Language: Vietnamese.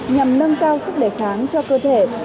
nhằm nâng cao sức đề kháng cho cơ thể